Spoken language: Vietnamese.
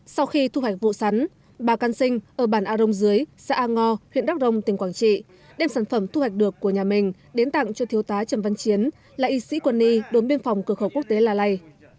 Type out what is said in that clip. sau khi thu hoạch vụ sắn bà can sinh ở bản a rông dưới xã a ngo huyện đắk rông tỉnh quảng trị đem sản phẩm thu hoạch được của nhà mình đến tặng cho thiếu tá trầm văn chiến là y sĩ quân y đốn biên phòng cửa khẩu quốc tế la lai